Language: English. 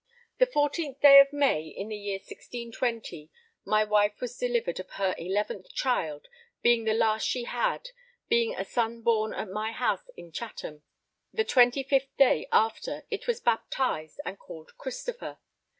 The 14th day of May in the year 1620, my wife was delivered of her eleventh child, being the last she had, being a son born at my house in Chatham. The 25th day after, it was baptized and called Christopher.